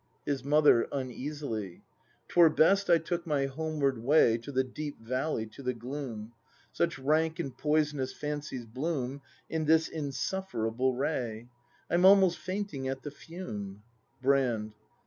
His Mother. [Uneasily.] 'Twere best I took my homeward way To the deep valley, to the gloom; Such rank and poisonous fancies bloom In this insufferable ray; I'm almost fainting at the fume. Brand.